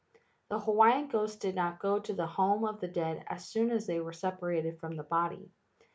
The Hawaiian ghosts did not go to the home of the dead as soon as they were separated from the body.